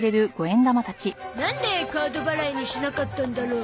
なんでカード払いにしなかったんだろう？